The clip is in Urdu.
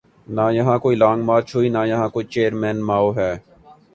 نہ یہاں کوئی لانگ مارچ ہوئی ‘نہ یہاں کوئی چیئرمین ماؤ ہے۔